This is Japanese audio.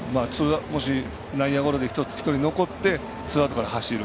もし内野ゴロで１人残ってツーアウトから走る。